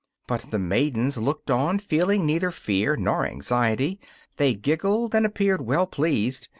But the maidens looked on, feeling neither fear nor anxiety; they giggled and appeared well pleased.